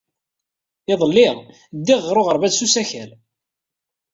Iḍelli, ddiɣ ɣer uɣerbaz s usakal.